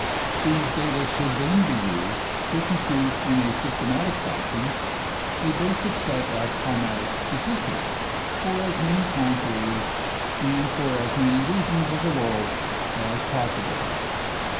These data should then be used to compute in a systematic fashion a basic set of climatic statistics for as many time periods and for as many regions of the world as possible.